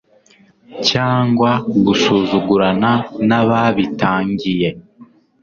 cyangwa gusuzugurana n'ababitangiye ..